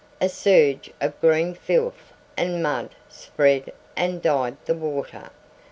A surge of green filth and mud spread and dyed the water.